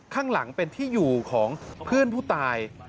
ข้างหลังเป็นที่อยู่ของเพื่อนผู้ตาย